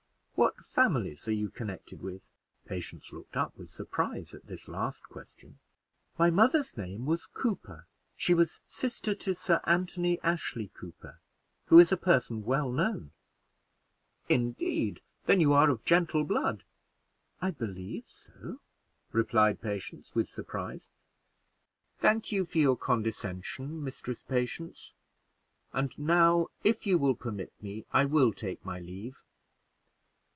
"What families are you connected with?" Patience looked up with surprise at this last question. "My mother's name was Cooper; she was sister to Sir Anthony Ashley Cooper, who is a person well known." "Indeed! then you are of gentle blood?" "I believe so," replied Patience, with surprise. "Thank you for your condescension, Mistress Patience; and now, if you will permit me, I will take my leave."